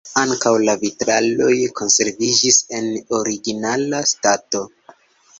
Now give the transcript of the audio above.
Ankaŭ la vitraloj konserviĝis en originala stato.